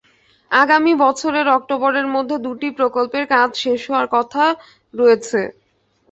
আগামী বছরের অক্টোবরের মধ্যে দুটি প্রকল্পের কাজ শেষ হওয়ার কথা রয়েছে।